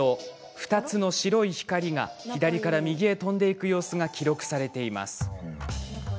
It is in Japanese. ２つの白い光が左から右へ飛んでいく様子が記録されています。